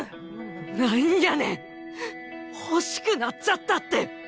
なんやねん「欲しくなっちゃった」って！